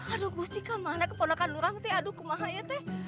aduh gusti kemana keponokan lu orang tuh aduh kuma kuma ayah tuh